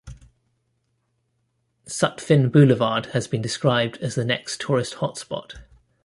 Sutphin Boulevard has been described as the next tourist hot spot.